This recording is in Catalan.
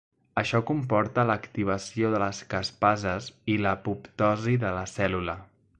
Això comporta l'activació de les caspases i l'apoptosi de la cèl·lula.